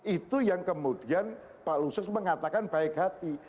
itu yang kemudian pak lusus mengatakan baik hati